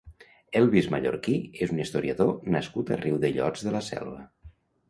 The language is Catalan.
Elvis Mallorquí és un historiador nascut a Riudellots de la Selva